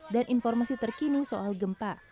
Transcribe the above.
dan informasi terkini soal gempa